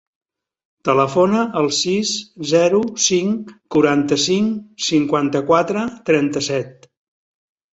Telefona al sis, zero, cinc, quaranta-cinc, cinquanta-quatre, trenta-set.